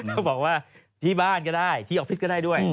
เขาบอกว่าที่บ้านก็ได้ที่ออฟฟิศก็ได้ด้วย